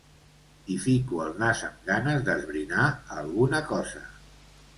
Hi fico el nas amb ganes d'esbrinar alguna cosa.